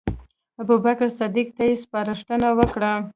ابوبکر صدیق ته یې سپارښتنه وکړه.